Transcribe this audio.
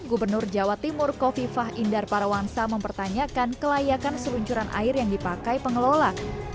gubernur jawa timur kofifah indar parawansa mempertanyakan kelayakan seluncuran air yang dipakai pengelola